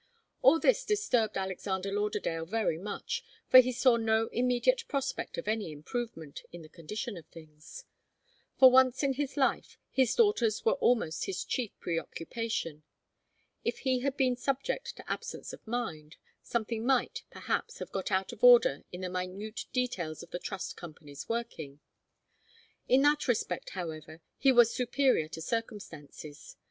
All this disturbed Alexander Lauderdale very much, for he saw no immediate prospect of any improvement in the condition of things. For once in his life his daughters were almost his chief preoccupation. If he had been subject to absence of mind, something might, perhaps, have got out of order in the minute details of the Trust Company's working. In that respect, however, he was superior to circumstances.